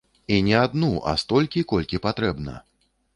І не адну, а столькі, колькі патрэбна.